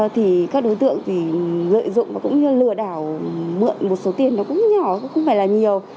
thì các đối tượng thì lợi dụng và cũng như lừa đảo mượn một số tiền nó cũng nhỏ cũng không phải là nhiều